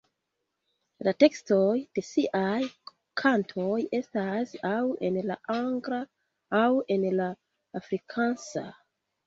La tekstoj de ŝiaj kantoj estas aŭ en la angla aŭ en la afrikansa.